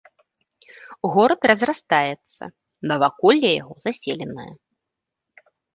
Горад разрастаецца, наваколле яго заселенае.